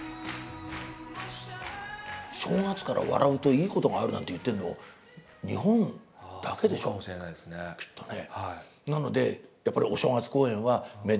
正月から笑うといいことがあるなんて言ってるの日本だけでしょきっとね。